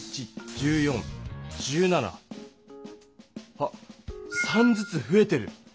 あっ３ずつふえてる。